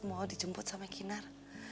mau dijemput sama kinar